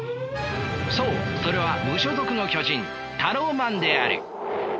そうそれは無所属の巨人タローマンである。